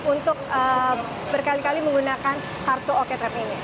untuk berkali kali menggunakan kartu oktrip ini